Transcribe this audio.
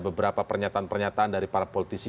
beberapa pernyataan pernyataan dari para politisi